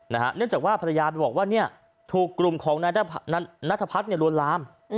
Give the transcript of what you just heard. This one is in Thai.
เนื่องจากว่าภรรยาไปบอกว่าถูกกลุ่มของนายนัทพัฒน์ลวนลาม